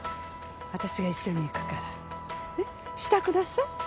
私が一緒に行くからねっ支度なさい。